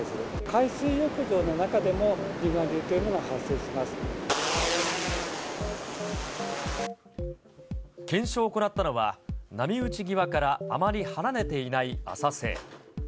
海水浴場の中でも、検証を行ったのは、波打ち際からあまり離れていない浅瀬。